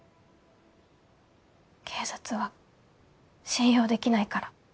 警察は信用できないから。